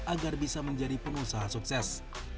agar bisa menjadi pengusaha sukses